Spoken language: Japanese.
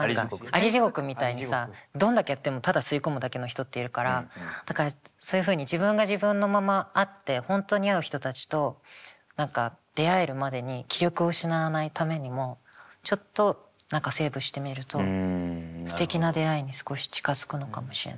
蟻地獄みたいにさどんだけやってもただ吸い込むだけの人っているからだからそういうふうに自分が自分のままあって本当に合う人たちと何か出会えるまでに気力を失わないためにもちょっと何かセーブしてみるとすてきな出会いに少し近づくのかもしれない。